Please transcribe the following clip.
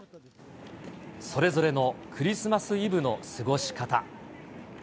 それぞれのクリスマスイブの過ごし方。